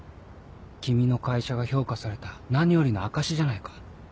君の会社が評価された何よりの証しじゃないか。